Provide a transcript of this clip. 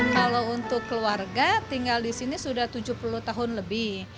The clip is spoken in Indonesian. kalau untuk keluarga tinggal di sini sudah tujuh puluh tahun lebih